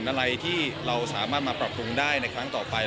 คุณแม่น้องให้โอกาสดาราคนในผมไปเจอคุณแม่น้องให้โอกาสดาราคนในผมไปเจอ